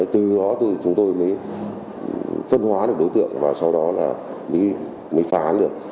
từ đó thì chúng tôi mới phân hóa được đối tượng và sau đó là mới phá được